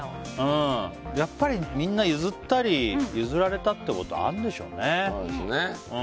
やっぱりみんな譲ったり譲られたってことあるんでしょうね。